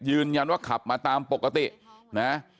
ยืนยันว่าขับมาตามปกตินะ